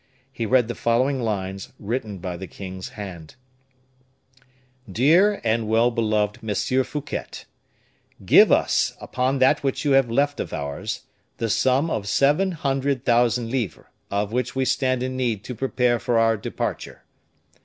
He read the following lines, written by the king's hand: "'DEAR AND WELL BELOVED MONSIEUR FOUQUET, Give us, upon that which you have left of ours, the sum of seven hundred thousand livres, of which we stand in need to prepare for our departure.